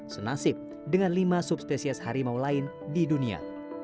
senasib dengan lima subspesies harimau lain di dunia